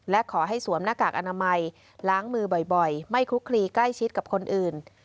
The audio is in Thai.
และขอให้สวมหน้ากากอนามัยล้างมือบ่อยไม่คลุกคลีใกล้ชิดกับคนอื่น